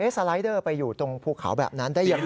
สไลเดอร์ไปอยู่ตรงภูเขาแบบนั้นได้ยังไง